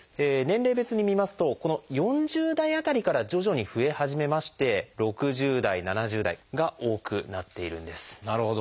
年齢別に見ますとこの４０代辺りから徐々に増え始めまして６０代７０代が多くなっているんです。